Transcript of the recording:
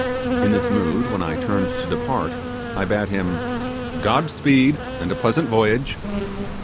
In this mood when I turned to depart, I bade him 'God speed, and a pleasant voyage.